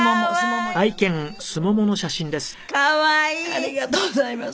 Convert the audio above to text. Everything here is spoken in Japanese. ありがとうございます。